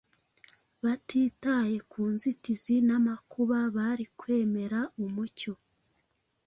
Batitaye ku nzitizi n’amakuba, bari kwemera umucyo